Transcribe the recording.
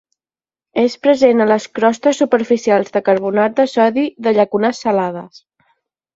És present a les crostes superficials de carbonat de sodi de llacunes salades.